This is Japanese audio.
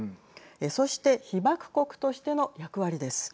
そして被爆国としての役割です。